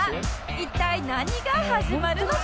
一体何が始まるのか？